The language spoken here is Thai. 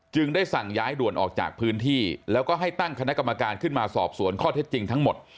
ได้สั่งย้ายด่วนออกจากพื้นที่แล้วก็ให้ตั้งคณะกรรมการขึ้นมาสอบสวนข้อเท็จจริงทั้งหมด